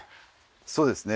そうですね。